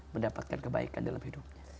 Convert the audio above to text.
mendapatkan kebaikan dalam hidup kita